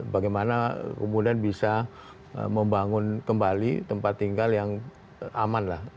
bagaimana kemudian bisa membangun kembali tempat tinggal yang aman lah